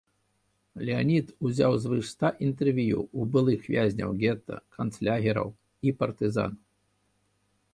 Леанід узяў звыш ста інтэрв'ю ў былых вязняў гета, канцлагераў і партызан.